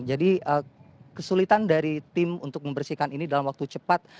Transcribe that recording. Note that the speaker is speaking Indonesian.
jadi kesulitan dari tim untuk membersihkan ini dalam waktu cepat